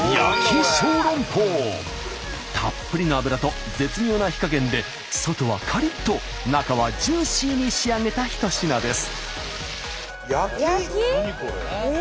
たっぷりの油と絶妙な火加減で外はカリッと中はジューシーに仕上げたひと品です。